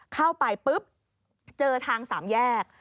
เข้าไปปุ๊บเจอทางสามแยก